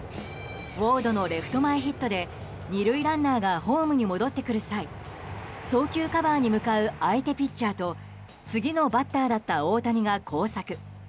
ウォードのレフト前ヒットで２塁ランナーがホームに戻ってくる際送球カバーに向かう相手ピッチャーと次のバッターだった大谷が交錯。